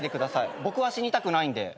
僕は死にたくないんで。